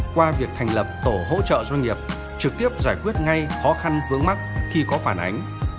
qua việc thành lập tổ hỗ trợ doanh nghiệp trực tiếp giải quyết ngay khó khăn vướng mắt khi có phản ánh